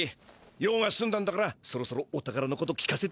用がすんだんだからそろそろお宝のこと聞かせてくれよ。